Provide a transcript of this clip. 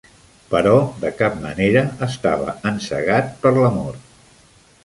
Però de cap manera estava encegat per l'amor.